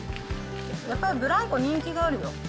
やっぱりブランコ、人気あるよ。